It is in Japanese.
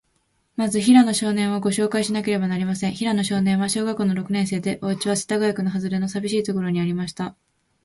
まず、平野少年を、ごしょうかいしなければなりません。平野少年は、小学校の六年生で、おうちは、世田谷区のはずれの、さびしいところにありました。